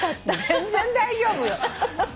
全然大丈夫よ。